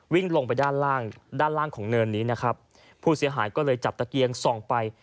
วิ่งลงไปด้านล่างของเนินนี้ผู้เสียหายก็เลยจับตะเกียงส่องไป